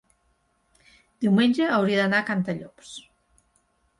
diumenge hauria d'anar a Cantallops.